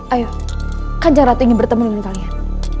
ayo kanjaratu ingin bertemu dengan kalian